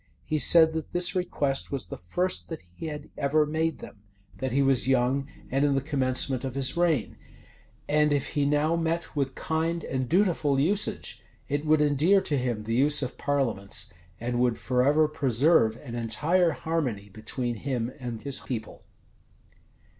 He said, that this request was the first that he had ever made them: that he was young, and in the commencement of his reign; and if he now met with kind and dutiful usage, it would endear to him the use of parliaments, and would forever preserve an entire harmony between him and his people.